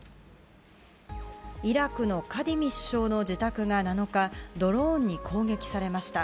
イラクのカディミ首相の自宅が７日、ドローンに攻撃されました。